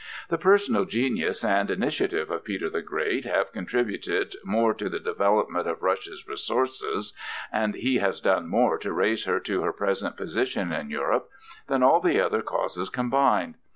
The personal genius and initiative of Peter the Great have contributed more to the development of Russia's resources, and he has done more to raise her to her present position in Europe than all other causes combined.